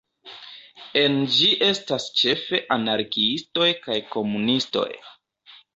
En ĝi estas ĉefe anarkiistoj kaj komunistoj.